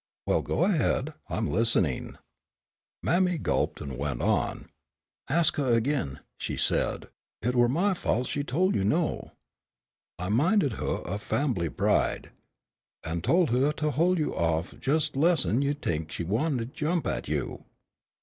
"Well, go ahead, I'm listening." Mammy gulped and went on. "Ask huh ag'in," she said, "it were my fault she tol' you no. I 'minded huh o' huh fambly pride an' tol' huh to hol' you off less'n you'd t'ink she wan'ed to jump at you."